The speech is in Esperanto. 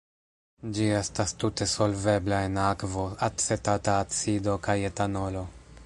Ĝi estas tute solvebla en akvo, acetata acido kaj etanolo.